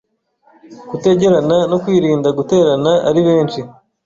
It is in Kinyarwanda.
kutegerana no kwirinda guterana ari benshi